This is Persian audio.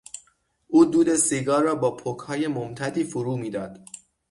او دود سیگار را با پکهای ممتدی فرو میداد.